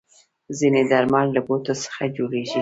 ځینې درمل له بوټو څخه جوړېږي.